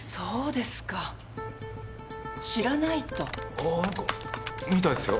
ああ何かみたいですよ。